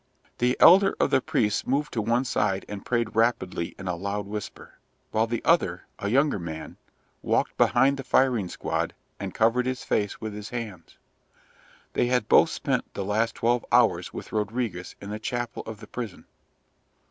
The elder of the priests moved to one side and prayed rapidly in a loud whisper, while the other, a younger man, walked behind the firing squad and covered his face with his hands. They had both spent the last twelve hours with Rodriguez in the chapel of the prison.